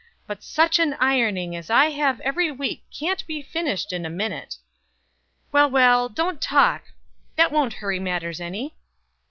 "But such an ironing as I have every week can't be finished in a minute." "Well, well! Don't talk; that won't hurry matters any."